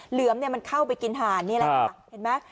เหลือมเข้าไปกินห่าน